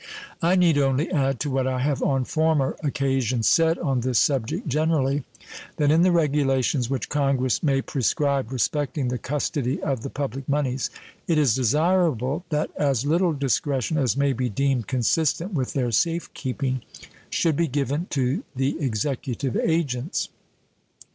I need only add to what I have on former occasions said on this subject generally that in the regulations which Congress may prescribe respecting the custody of the public moneys it is desirable that as little discretion as may be deemed consistent with their safe keeping should be given to the executive agents.